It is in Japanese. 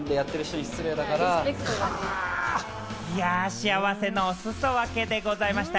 幸せのお裾分けでございました。